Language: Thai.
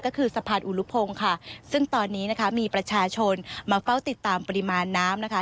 ก็คือสะพานอุลพงศ์ค่ะซึ่งตอนนี้นะคะมีประชาชนมาเฝ้าติดตามปริมาณน้ำนะคะ